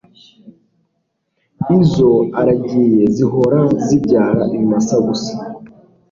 izo aragiye zihora zibyara ibimasa gusa